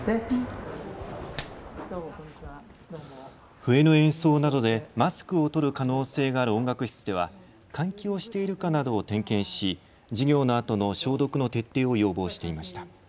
笛の演奏などでマスクを取る可能性がある音楽室では換気をしているかなどを点検し授業のあとの消毒の徹底を要望していました。